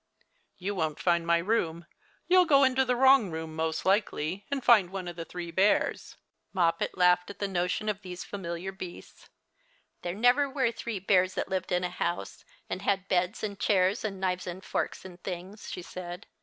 " You won't find my room. You'll go into the wrong room most likely, and find one of the three bears." Moppet laughed at the notion of those familiar beasts. '• There never were three bears that lived in a house, and had beds and chairs and knives and forks and things," she said.